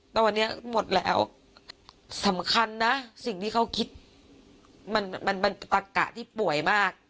ตอนเนี้ยหมดแล้วสำคัญนะสิ่งที่เขาคิดมันมันมันเป็นตักะที่ป่วยมาก